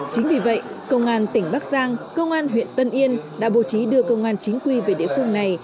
chính vì vậy công an tỉnh bắc giang công an huyện tân yên đã bố trí đưa công an chính quy về địa phương này